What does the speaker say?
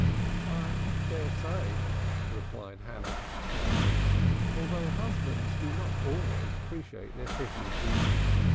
"I dare say," replied Hannah smiling. "Although husbands do not always appreciate their privileges."